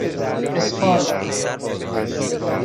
اسکالپ